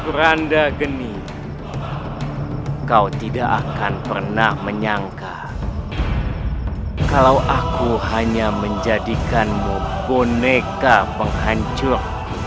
kuranda geni kau tidak akan pernah menyangka kalau aku hanya menjadikanmu boneka penghancur